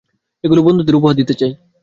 এগুলি বন্ধুদের উপহার দিতে চাই।